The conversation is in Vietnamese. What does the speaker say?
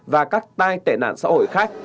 và các tai tệ nạn xã hội khác